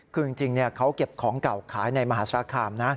คือจริงเขาเก็บของเก่าขายในมหาสารคามนะ